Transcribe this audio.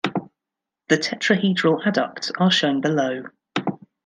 The tetrahedral adducts are shown below.